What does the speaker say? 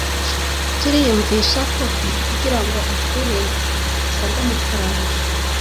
Turiyumvisha ko kugira ngo akure asabwa amafaranga